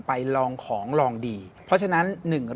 แล้วก็ต้องบอกคุณผู้ชมนั้นจะได้ฟังในการรับชมด้วยนะครับเป็นความเชื่อส่วนบุคคล